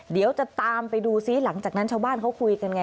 เดี๋ยวจะตามไปดูซิหลังจากนั้นชาวบ้านเขาคุยกันไง